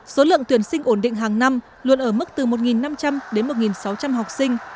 số lượng tuyển sinh ổn định hàng năm luôn ở mức từ một năm trăm linh đến một sáu trăm linh học sinh